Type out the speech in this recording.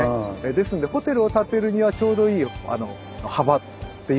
ですのでホテルを建てるにはちょうどいい幅っていいますかね。